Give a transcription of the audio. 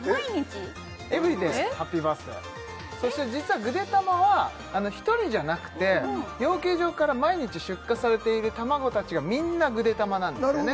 エブリデーハッピーバースデーそして実はぐでたまは１人じゃなくて養鶏場から毎日出荷されている卵達がみんなぐでたまなんですよね